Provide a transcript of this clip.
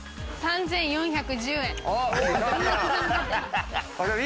３４１０円。